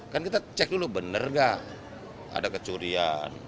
kan kita cek dulu bener gak ada kecurian